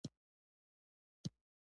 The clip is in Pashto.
د سلیمان غر لپاره دپرمختیا پروګرامونه شته.